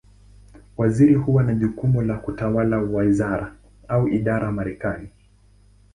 Waziri huwa na jukumu la kutawala wizara, au idara Marekani.